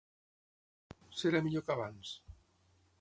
Serà millor que abans.